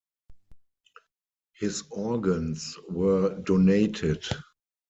His organs were donated.